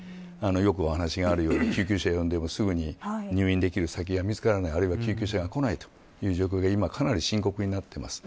よくお話があるように救急車を呼んでもすぐに入院先が見つからないあるいは救急車がこないという状況が今、かなり深刻になっています。